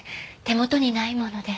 手元にないもので。